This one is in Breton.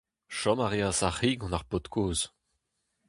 Chom reas ar c'hi gant ar paotr kozh.